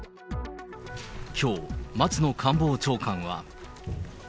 きょう、松野官房長官は。